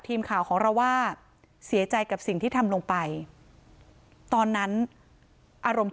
ทีมข่าวของเราว่าเสียใจกับสิ่งที่ทำลงไปตอนนั้นอารมณ์